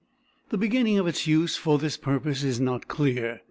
The beginning of its use for this purpose is not clear.